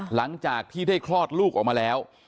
หลังจากที่ได้คลอดลูกออกมาแล้ว